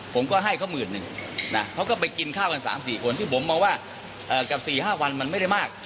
ผมก็ให้เขาหมื่นหนึ่งนะเขาก็ไปกินข้าวกัน๓๔คนที่ผมมองว่ากับ๔๕วันมันไม่ได้มาก